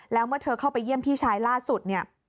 แล้วเมื่อเธอเข้าไปเยี่ยมพี่ชายล่าสุดเนี่ย